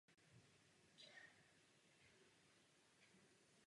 Nebudu se tedy zabývat technickými podrobnostmi.